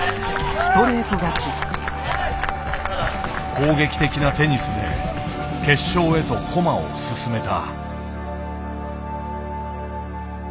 攻撃的なテニスで決勝へと駒を進めた。